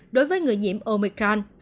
đối với người nhiễm omicron